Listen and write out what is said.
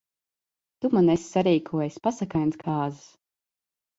Tu man esi sarīkojis pasakainas kāzas.